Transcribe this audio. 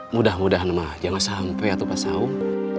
mudah mudahan ma jangan sampai ya tupas saun